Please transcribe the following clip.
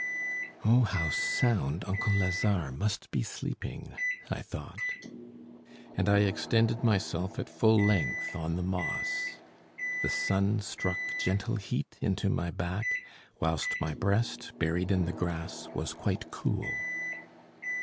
"Oh! how sound uncle Lazare must be sleeping!" I thought. And I extended myself at full length on the moss. The sun struck gentle heat into my back, whilst my breast, buried in the grass, was quite cool.